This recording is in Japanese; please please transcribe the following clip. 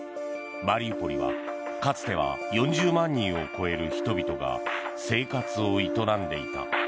マリウポリはかつては４０万人を超える人々が生活を営んでいた。